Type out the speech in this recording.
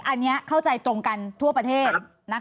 อันนี้เข้าใจตรงกันทั่วประเทศ